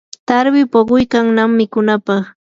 tarwi puquykannam mikunapaq.